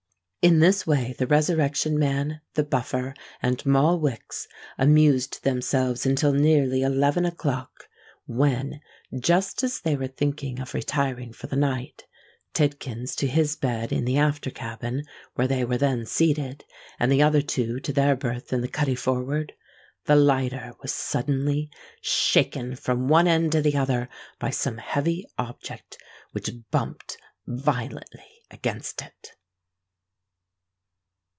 In this way the Resurrection Man, the Buffer, and Moll Wicks amused themselves until nearly eleven o'clock, when, just as they were thinking of retiring for the night,—Tidkins to his bed in the after cabin where they were then seated, and the other two to their berth in the cuddy forward,—the lighter was suddenly shaken from one end to the other by some heavy object which bumped violently against it.